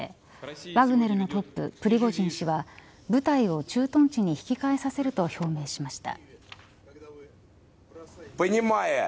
ワグネルのトッププリゴジン氏は部隊を駐屯地に引き返させると表明しました。